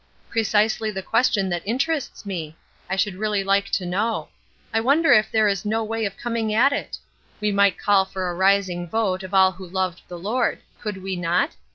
"Precisely the question that interests me. I should really like to know. I wonder if there is no way of coming at it? We might call for a rising vote of all who loved the Lord; could we not?